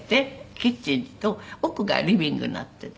キッチンと奥がリビングになってて。